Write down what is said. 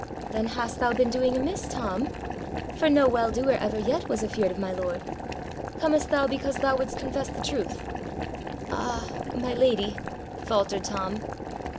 'Then hast thou been doing amiss, Tom? for no well doer ever yet was afeard of my lord. Comest thou because thou wouldst confess the truth?' 'Ah, my lady,' faltered Tom.